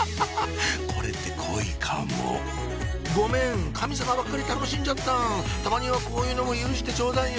これって恋かもごめん神様ばっかり楽しんじゃったたまにはこういうのも許してちょうだいよ！